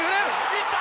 いった！